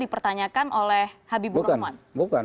dipertanyakan oleh habibur rahman